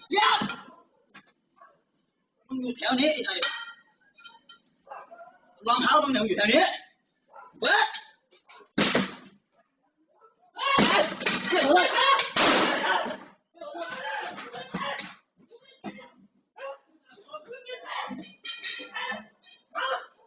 อย่าติดแม่อย่าส่งสังกันแหละ